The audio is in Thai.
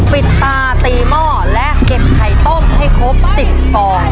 ปิดตาตีหม้อและเก็บไข่ต้มให้ครบ๑๐ฟอง